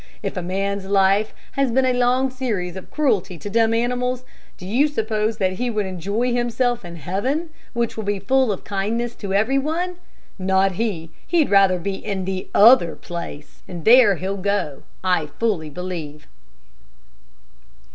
If a man's life has been a long series of cruelty to dumb animals, do you suppose that he would enjoy himself in heaven, which will be full of kindness to every one? Not he; he'd rather be in the other place, and there he'll go, I fully believe."